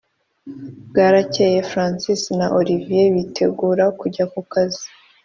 bwarakeye francis na olivier bitegura kujya kukazi